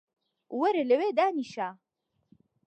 وەرە لەوێ دانیشە